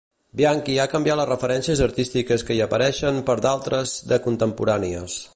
Bianchi ha canviat les referències artístiques que hi apareixien per d'altres de contemporànies.